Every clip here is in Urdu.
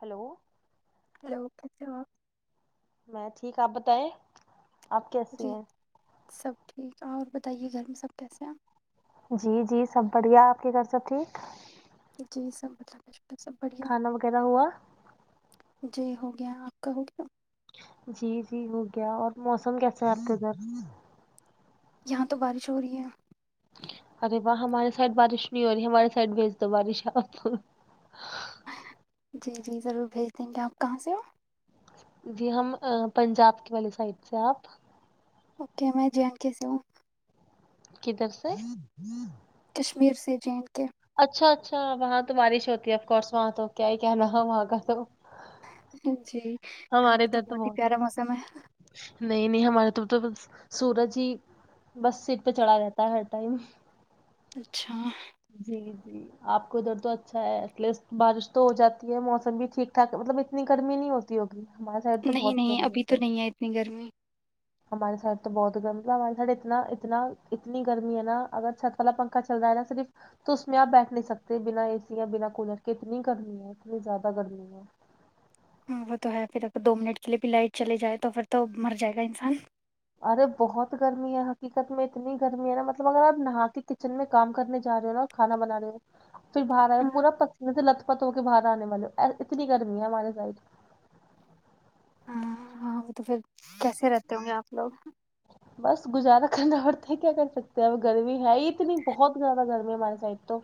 ہلو ہیلو کیسے ہو اپ میں ٹھیک آپ بتائے جی سب ٹھیک اور بتائیے گھر میں سب کیسے ہیں جی جی سب بڑھیا آپ کے گھر سب ٹھیک جی سب مطلب م [unintelligible] کھانا وغیرہ ہوا جی ہو گیا آپ کا ہو گیا جی جی ہو گیا اور موسم کیسے آپتے ادھر یہاں تو بارش ہو رہی ہے ارے واہ ہمارے سائڈ بارش نہیں ہو رہی ہمارے سائڈ بھیج دو بارش ہے جی جی ضرور بھیج دیں گے آپ کہاں سے ہو جی ہم پنجاب کی والی سائڈ سے آپ اوکے میں جے این کے سے ہوں کدھر سے [unintelligible] کشمیر سے جے این کے اچھا اچھا وہاں تو بارش ہوتی ہے اف کورس وہاں تو کیا ہے کیا ن وہاں کا تو جی [unintelligible] یہاں پہ تو بہت ہی پیارا موسم ہے نہیں نہیں ہمارے تو تو سورج ہی بس سیٹ پہ چڑلاا رہتا ہے ہر ٹائم اچھا جی جی آپ کو ادھر تو اچھا ہے ایٹ لیسٹ بارش تو ہو جاتی ہے موسم بھی ٹھیک ٹھاک مطلب اتنی گرمی نہیں ہوتی ہوگی ہمارے سائڈ تو نہیں بہت نہیں گرمی ہو ابھی تو جاتی نہیں ہے اپنی گھر میں ہمارے سائڈ تو بہت گرم ہمارے سائڈ اتنا اتنا اتنی گرمی ہے نا اگر چھت والا پنکھا چل رہا ہے نا صرف تو اس میں آپ بیٹھ نہیں سکتے بنا اے سی بنا کولر کے اتنی گرمی ہے اتنی زیادہ گرمی ہے ہاں وہ تو ہے پھر اگر دو منٹ کے لیے بھی لائٹ چلے جائے تو پھر تو مر جائے گا انسان ارے بہت گرمی ہے حقیقت میں اتنی گرمی ہے نا مطلب اگر آپ نہا کے کچن میں کام کرنے جا رہے ہو نا کھانا بنا رہے ہو پھر باہر آیا ہاں پورا پسچم سے لت پت ہو کے باہر آنے والے اتنی گرمی ہے ہمارے سائڈ ہاں ہاں وہ تو پھر کیسے رہتے ہوں گے آپ لوگ بس گزارا کرنا پڑتا کیا کر سکتے ہیں اب گرمی ہے ہیت نہیں بہت زیاد کررد میں مارا ساہت تو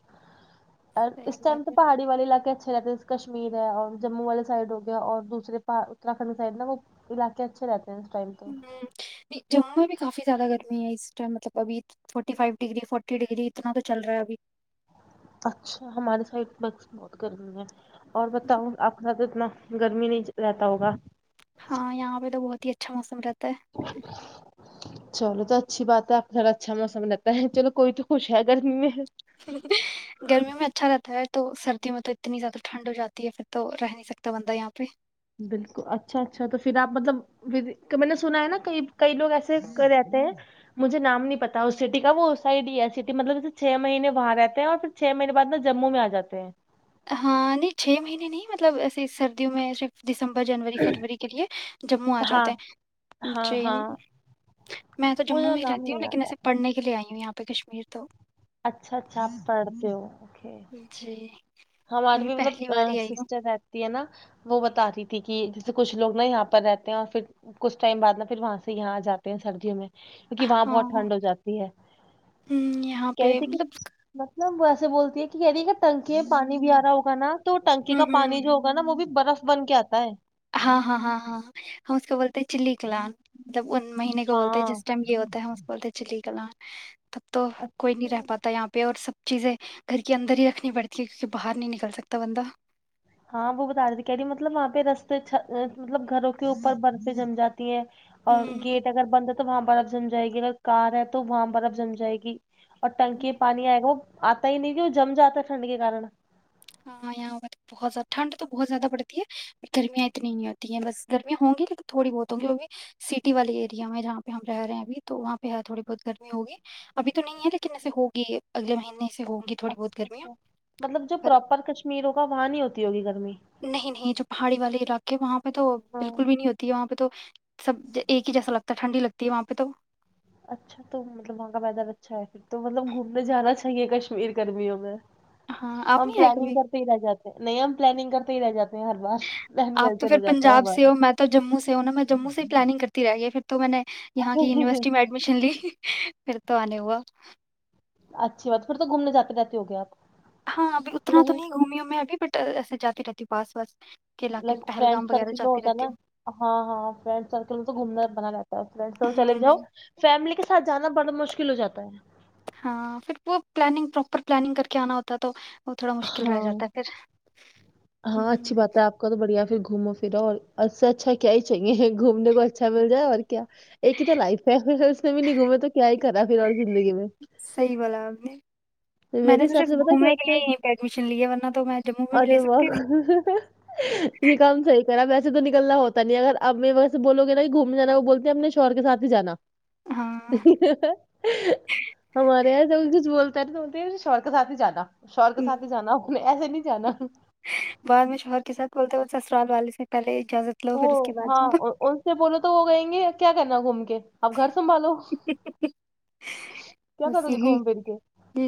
ا صحیح اس ائم بات تو ہے پہای والے علاقے اچھے رہتے جس کشمیر ہے اور جموں والے سائڈ ہو گیا اور دوسرے پا اتراکھنڈ سائڈ نا وہ علاقے اچھے رہتے ہیں لنس ٹائم تو ہوں جموں میں بھی کافی زیادہ گرمی ہے اس ٹائم مطلب ابھی forty five degree forty degree اتنا تو چل رہا ہے ابھی اچھا ہمارے سائڈ بکس بہت گرمی ہے اور بتاؤں آنا کتنا گرمی نہیں رہتا ہوگا ہاں یہاں پہ تو بہت اچھا موس رہتا ہے [unintelligible] چلو تو اچھی بات ہے آپ کو تھڑا اچھاوسم رہتا ہے چلو کوئی تو خوش ہے گرمی میں گرمی میں اچھا رہتا ہے تو سردیوں میں تو اتنی زیادہ ٹھنڈ ہو جاتی ہے پھر تو رہ نہیں سکتا بندہ یہاں پہ بالکل اچھا اچھا تو پھر آپ مطلب میں نے سنا ہے نا کئی کئی لوگ ایسے رہتے ہیں مجھے نام نہیں پتا اس سٹی کا وہ اس سائڈ ہی ہے سٹی مطلب جیسے چھ مہینے وہاں رہتے ہیں اور پھر چھ مہینے بعد ن جموں میں آ جاتے ہیں ہاں نہیں چھ مہینے نہیں مطلب ایسے سردیوں میں صرف دسمبر جنوری فروری کے لیے جموں آ ہاں جاتے ہیں ہاں جی ہاں میں تو مجھے جموں ہی نام رہتی ہوں نہیں لیکن آتا ایسے پڑھنے کے لیے آئی ہوں یہاں پ کشمیر تو اچھا اچھا آپ پڑھتے ہو جی ہماری ابھی بھی پہلی مطلب بار ہی آئی ہوں سسٹر رہتی ہے نا وہ بتا رہی تھی کہ جیسے کچھ لوگ نا یہاں پر رہتے ہیں اور پھر کچھ ٹائم بعدا پھر وہاں سے یہاں آ جاتے ہیں سردیوں میں کیونکہ وہاں ہاں بہت ٹھنڈ ہو جاتی ہے ہوں یہاں کہہ پہ دییتی مطلب کہ ن ویسے بولتی ہیں کہ ی کہ نکے پانی بھی آ رہا ہوگا نا تو ٹنکی کا ہوں ہوں پانی جو ہوگ نا وہ بھی برف بن کے آتا ہے ہاں ہاں ہاں ہاںاں ہم اس کو بولتے چلی کلان مطلب ان مہنے کو بولتے ہیں ہاں جس ٹائم یہ ہوتا ہے ہم اس کو بولتے چلیے کلاں تب تو کوئی نہیں اچھا رہ پاتا یہاں پہ اور سب چیزیں گھر کے اندر ہی رکھنی پڑتی ہے کیونکہ باہر نہیں نکل سکتا بندہ ہاں وہ بتا رہی تھی کہی مطلب وہاں پہ رستے مطلب گھروں کے اوپر برفے جم جاتے ہے اور ہوں گیٹ اگر بند ہے تو وہاں جائے گی اگر کار ہے تو وہاں پر اب سم جائے گی اور ٹنکی پانی ہے گ وہ آتا ہی نہیں کہ وہ جم جاتا ہے ٹھنڈ کے کارن ہاں یہاں پہ تو بہت زیادہ ٹھنڈ تو بہت زیادہ پڑتی ہے گرمیاں اتنی نہیں ہوتی ہیں بس گرمیاں ہوں گی لیکن تھوڑی بہت ہوںی وہ بھی سٹی والے ایریا میں جہاں پہ ہم رہے ہیں اب تو وہاں پہ تھوڑی بہت گرمی ہوگی ابھی تو نہیں ہے لیکن ایسے ہوگی اگل مہینے ہوں گی تھوڑی بہت گرمیاں پر اپر کشمیر ہوگا وہاں نہیں ہوتی ہوگی گرمی کہ وہاں پہ تو ہاں بالکل بھی نہیں ہوتی ہے وہاں پہ تو سب ایک ہی جیسا لگتا ہے ٹھنڈی لگتی ہے وہاں پہ تو اچھا تو مطلب وہاں کا پیدا اچھا ہے پھر تو مطلب گھومنے جانا اے کشمیر کررمی ہووں میں ہاں آپ ہم نہیں آئے پلاننگ کبھی کرتے ہی رہ جاتے ہیں نہیں ہم پلاننگ کرتے ہی رہ جاتے ہیں ہر بار آپ تو پللسل پھر ہو جاتا ہے پنجاب سے ہمارا ہو میں تو جموں سے ہوں نا میں جموں سے ہی پلاننگ کرتی رہ گئی پھر تو میں نے یہاں کی یونیورسٹی میں ایڈمیشن لی پھر تو آنے ہوا اچھی بات پھر تو گھومنے جاتے جاتتے ہو گے آپ کو [unintelligible] [unintelligible] علاقے میں پہلگام وغیرہ جاتی رہتی ہوں [unintelligible] ہوں [unintelligible] [unintelligible] ہاں [unintelligible] ہوں [unintelligible] [unintelligible] [unintelligible] میں نے تو صرف گھومنے کے لیے ہی یہیں پہ ایڈمیشن لی ہے ورنہ تو میں جموں میں بھی لے سکتی [unintelligible] [unintelligible] تھی ہاں [unintelligible] [inaudible] ام، [unintelligible] بعد میں شوہر کے ساتھ [unintelligible] [unintelligible] پھر اس کے بعد جاؤ [unintelligible] [unintelligible] بس یہی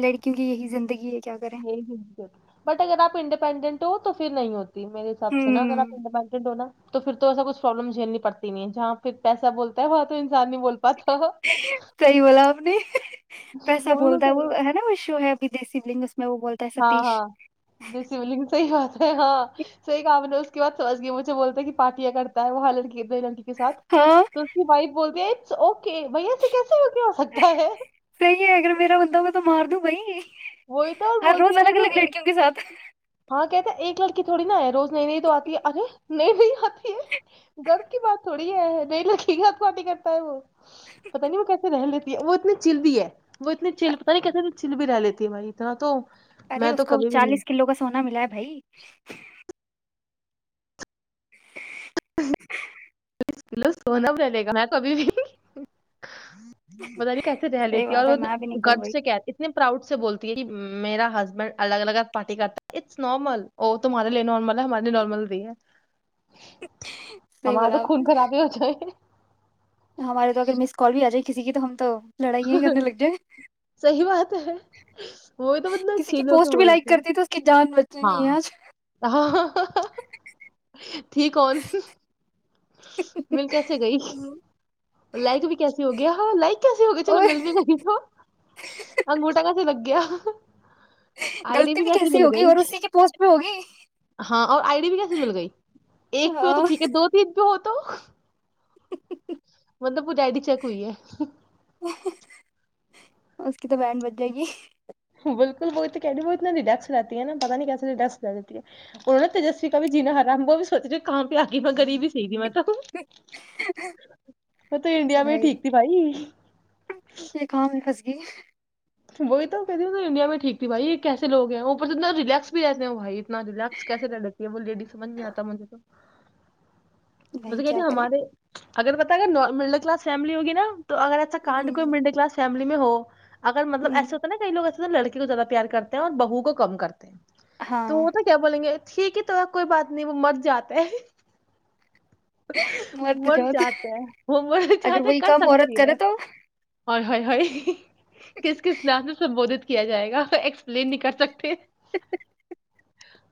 لڑکیوں کی یہی زندگی ہے کیا کریں یہ گ س [inaudible] بٹ اگر آپ انڈیپینڈنٹ ہو تو پھر نہیں ہوتے میرے سب سے نا کرا ہوں پنڈ ب نڈو نہ تو پھر تو ایسا کچھ پروابلم جھیلنی پڑتی نہیں ہے جہاں پھر پیسہ بولتا ہے وہاں تو انسان نہیں بول پاتا صحیح بولا آپ نے بالکل صحیح ہے ود دیی لنگ [unintelligible] ہاں ہاں ج شولگ سحی بات ہے ہاں صحی کام نے اس کے بع سمجھ گیا مجھے بولتا ہے کہ پارٹیاں کرتا ہے وہاں لڑکی ی کے سات ہاں تو اس کی وائف بولتی ہیں اوک بیا سے کیسے ہوک ہو سکتا ہے صحیح ہے اگر میرا بندہ ہو تو مار دوں بھائی وہی تو اور ہر روز الگ الگ لڑکیوں کے ساتھ [inaudible] ہ کہتا ہے ایک لڑکی تھوڑی نا ہے روز نئی نئی تو آتی ہے ارے نئی نہیںئی آتی ہے گرب کی بات تھوڑی ہے نئی لڑکی گپ کوٹی کرتا ہے وہ پتا نہیں وہ کیسے رہ لیتی وہ اتنی چل بھیی ہے وہ اتنی چل پتہ نہیں کیس انی چل بھیی رہ لیتی ہے ہماری اتنا تو ارے میں اس تو کو کبھی بھی نہیں چالیس کلو کا سونا ملا ہے بھائی کس کلو سوونم ل لے گا ن کبھی بھی بت کیسے رہ صحیح لیتی اور بات ہے وہ میں بھی نہیں کروں گد بھائی سے کیا اتنے پراؤڈ سے بولتی ہے میرا ہسبینڈ الگ الگ لیے کم ہے سی بلا [unintelligible] خراب ہو ج [unintelligible] ہمارے تو اگر مس کال بھی آ جائے گی [inaudible] کسی کی تو ہم [unintelligible] تو لڑائ کرنے لگ جائ صحیح بات ہے وہی تو مطلب کسی کی چل ہو کے پوسٹ بھی لائک بولتی ہے کرتی تو اس کی جان بچ ہاں [unintelligible] ٹھیک کون [unintelligible] مل کیسے گئی [unintelligible] لائک بھی کیسی ہو گیا ہاں لائک کیسی ہو گیا چلو اور مل بھی لگی تو انگوٹا کا لگیا [unintelligible] آئی ڈی غلطی بھی کیسی مل ہوگی گئی اور اسی کی پوسٹ پہ ہوگی ہاں اور آئی ڈی بھی کیسی مل گئی ایک پہ ہو تو ہاں ٹھیک ہے دو تین پہ ہوتے [inaudible] مطلب پجاڈ چک ہوئی ہے اس کی تو بڈ بچ جائے گی بالکل وہ کہ وہ اتنا رییکس رہتی ہے نا پتا نہیں کیسے ریس رہ جتی ہے انوں نے تجسوی کا بھی جینارا وہ بھی سوچے کہاں پہ آی ریبیحی تھی میں تو ہ [unintelligible] میں تو انڈیا میں ٹھیک تھی بھائی یہ کام [inaudible] وہی تو کہتی انڈیا میں ٹھیک تھی بھائی یہ کیس لوگ ہیں اوپر سے اتنا ریلیکس بھی رہتے ہیں بھائی اتنا ریکس کیسے رہ رہتی ہے وہ لیڈیز سج نہیں آتا مجھے تو وہ بھائی توے کہتے کیا کریں ہمارے [unintelligible] اگر پتا ہےا مڈل کلاس فیملی ہوگیا تو اگر ایسا کانڈ کو ہوں مڈل کلاس ہو [unintelligible] اگر مطلب ہوں ایسے ہوتا نائی لوگ لڑکی کو زیادہ پیار کرتے ہیں اور بہو کو کم کرتے ہیں ہاں تو وہ تو کیا بولیں گے ٹھیک ہے تو کوئی بات نہیں وہ مر جاتے مرد جا تو ہے وہ مر اگر جاتا ہے وہی کر کام عورت سکتی ہے کرے تو اور ہ [unintelligible] کس کس نام سے سبوودت کیا جائے گا ایکسپلین نہیں کر سکتے [inaudible]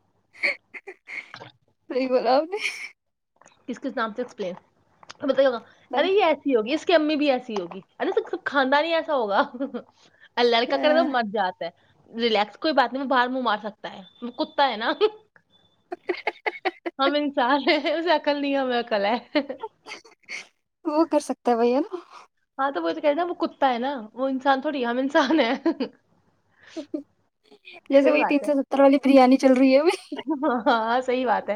ا [unintelligible] [inaudible] بلا نے کس کس نام سے ایکسپلین بتا نے ارے یہ ایسی ہوگی کی امی بھی ایسی ہوگی ارا س سب کھاندا نہیں ایسا ہوگا ال لڑک ک تو مججہ آتے ہے ریلیکس کوئی بات نہیں باہر منہ مار سکتا ہے وہ کتا ہے نا ہم انسان ہے اس اکل نہیں ہو اکل ہے وہ کر سکتا ہے بھیا نا ہاں تو وہ تو کہ ن وہ کتا ہے نا وہ انسان تھوڑی آم انسان ہے [unintelligible] جسے ب ت س ستر وال بریانی چل رہی ہے ابھی ہاں ہاں صحی بات ہے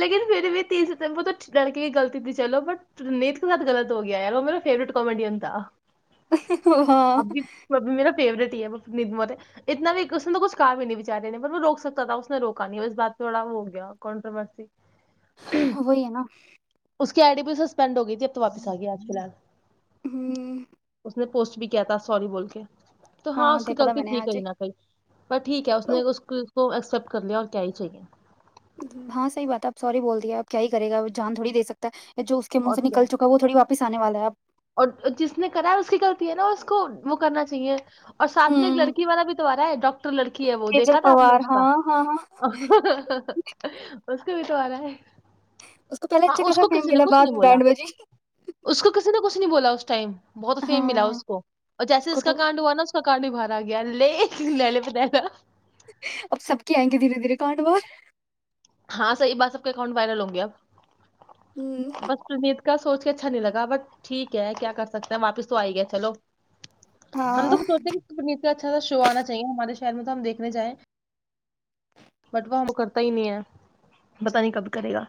لیکن پھر بھی تیس ستمبر تو لڑکی کی غلط تھی چلو بٹ نت کے ساتھ غلط ہو گیا ار وہ میرا فیوریٹ کامیڈیین تھا ہاں فیورٹ ہی ہیں اتنا بھی اس نے کچھ کہا بھی نہیں بیچارے نے وہ روک سکتا تھا اس نے روک کانیوز بات تھوا ہو گیا کنٹرومرسی وہی ہے نا اس کی آئی ڈی بھی سسپینڈ ہو گئی تھی اب تو واپس آ گیا آج فی الحال ہوں اس نے پوسٹ بھی کیا تھا سوری بول کے تو ہاں اس کی دیکھا تھا میں غلطی نے تھی آج کہیں نہ کہیں پر ٹھیک ہے اس نے اس وہ ایکسپٹ کر لیا اور کیا ہی چاہیے ہاں صحی بات ہے اب سوری بول دیا اب کیا ہی کرے گا جان تھوڑی دے سکتا ہے اب جو اس کے منہ اور سے کیا نل چکا وہ تھوی واپس آنے والا ہے اب اور جس نے کرا ہے اس کی غلطی ہے نا اس کو وہ کرنا چاہیے اور ساتھ میں ایک ہوں لڑکی والا بھی تو ا رہا ہے ڈاکٹر لڑکی ہے وہ تیجل دیکھا تھا آپ نے پوار اس ہاں کا ہاں ہاں اس کے بھی تو آ رہا ہے اس کو پہلے ہاں اچھا اس خاصا کو فیم کسی نے ملا کچھ بعد نہیں میں بولا بیینٹھ بجے اس کو کسی کچھ نہیں بولا اس ٹائم بہت فیم ملا اس کو اور جیسے کو اس کا تو کانڈ ہوا نا اس کا گاڑ بھرا آ لے نہلے پہ دہلا کانٹوور ہاں سیح بات سب کے اکاؤنٹ وائرل ہوں گیا ہوں بس تے کا سوچ کے اچھا نہیں لگا بٹ ٹھیک ہے کیا کر سکتا ہیں واپس تو آئی گیا چلو ہم تو ہاں سوچتے کہ پنیت کا اچھا سا شو آنا چاہیے ہمارے شہر میں تو ہم دیکھنے جائیں بٹ وہ ہم کو کرتا ہی نہیں ہے پتہ نہیں کب کرے گا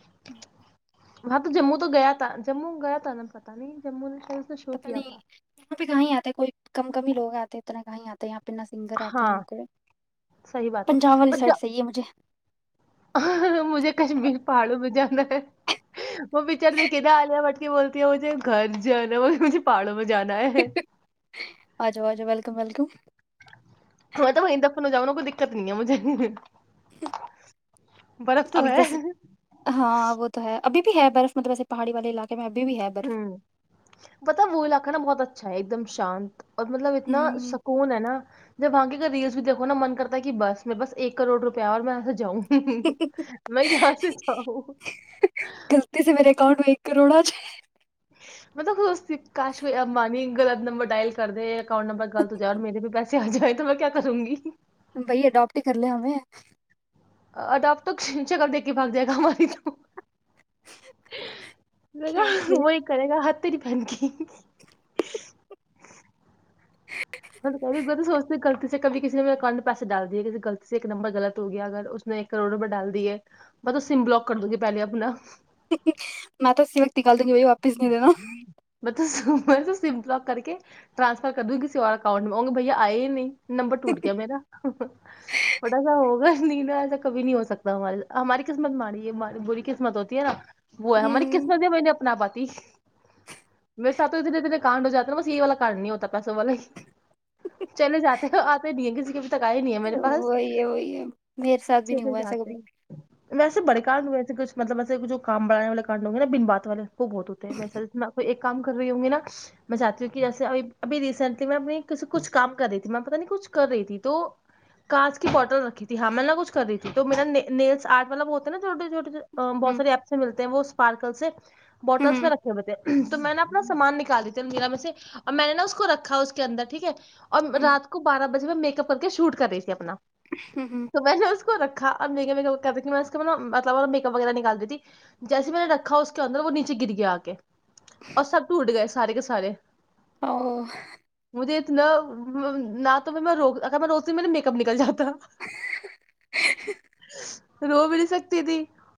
[inaudible] وہاں تو جموں تو گیا تھا جموں گیا تھا تھا نا پتا نہیں جموں نے شاید اس نے شو پتا کیا نہیں تھا وہاں پہ کہاں آتے کوئی کم کم ہی لوگ آتے اتنا ہ یہاں تو یہاں بنا سنگر آتے ہیں ہاں نہ کوئی صحیح بات ہے پنجاب والی بٹ سائڈ سحیح ہے مجھے مجھے کشمیر پہاڑوں میں جانا ہے وہ بچارتے ک کیاے آ بولتی ہے مجھے گھر جانا ہے نا وہ مجھے پہاڑوں میں جانا ہے آ جو آ جو ویلکم ویلکم میں تو وہیں دفن جاؤا کوئی دقت نہیں ہے مجھے برف تو ابھی ہے جیسے ہاں وہ تو ہے اب بھی ہے برف مطب ایسےہای والے علاق ہوں پتا وہلاگ رکھنا بہت اچھا ہے ایک دم شانت اور مطلب اتنا ہوں سکون ہے نا جب آگے کا ریلس بھی دیکھو ن من کرتا ہے کہ بس میں بس ایک کروڑ روپیہ اور میں یہاں سے جاؤں میں یہاں سے جاؤوں کروڑا چ مطلب خ کاش کوئی ابانی غط نمبر ڈائل کر دے اکاؤنٹ نمبر غط ہو جائے اور میرے بھی پیسے آ جائے تو میں کیا کروں گی بھائی اڈاپٹ ہی کر ل ہمیں اد آپ تو شکل دیک کے پل د ہیں ہماری توا وہی کرے گا تری پن کی ط کہ سوچتے غطی سے کبھی کسی نے بھی اکانٹ میں پیسے ڈال دیے کسی غلطی سے ایک نمبر غلط ہو گیا اگر اس نے ایک کروڑ روپئے ڈال دیے بس اس سم بلاک کر د گے پہلے اپنا مت سمک کل ت ج بھائی واپس نہیں دینا میں تو میں تو سم فاپ کر کے ٹرانسفر کر دوں گی کسی اور اکاؤنٹ میں ہؤ گے بھیا آئے ہی نہیں نمبر ٹوٹ گیا میرا وڑا سا ہوگا ینا ایسا کبھی نہیں ہو سکتا ہم ہماری قسمت مڑی یہ بری قسمت ہوتی ہے نا وہ ہے ہماری ہوں قسمت ہے میں پات میرے ساتھ تو دے درے کانڈ ہو جاتا نا بس یہی والا کانڈ نہیں ہوتا پیسوں والے ہی چلے جاتے آتے نہیں ہے کسی کے پ چلے جاتے ہیں [inaudible] ویسے بڑے کڈئے ایسے کچ مطلب وسےچھ کام بڑانے والے کڈوں گ نا بن بات والے بہت ہوتے ہیں ایک کام کر رہی ہوں گی نا میں چاہتی ہوں کہ جیسے ابھی ریسینٹلی میں اپ کچھ کام کر رہی تھی میں پہ نہیں کچھ کر رہی تھی تو کاانچ کی بوٹل رکھی تھی ہاں میں نہ کھ کر رہی تھی تو میرا نی آرٹ والا بتا نا چھوٹے چھوٹے بہت ہوں سار ایپ سے ملتے ہیں وہ پارکل سے بوٹلس میں ہوں رکھے ہوئے تھ تو میں نے اپنا سامان نکال تھے میرا میں سے اور میں نے نا اس کو رکھا اس کے اندر ٹھیک ہے اور ہوں رات کو بارہ بجے میں میک اپ کر کے شوٹ کری اپنا ہ ہوں تو میں نے اس کو رکھا ا میں مطلب میک اپ وغیرہ نکال دیتیھی جیسے میں نے رکھا اس کے اندر وہ نیچے ج گری گیا آ کے اور سب ٹوٹ گئے سارے کے سارے او مجھے اتنا نہ تو میں ا میں روتی میں میک اپ نکل جاتا رو بھی نہت سکتی تھی